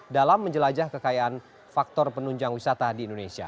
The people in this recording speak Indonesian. dalam menjelajah kekayaan faktor penunjang wisata di indonesia